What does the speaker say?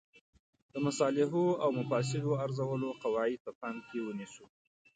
د مصالحو او مفاسدو ارزولو قواعد په پام کې ونیسو.